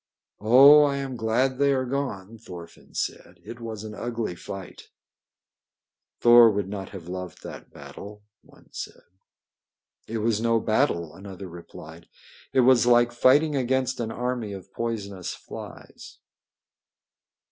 "Oh, I am glad they are gone!" Thorfinn said. "It was an ugly fight." "Thor would not have loved that battle," one said. "It was no battle," another replied. "It was like fighting against an army of poisonous flies."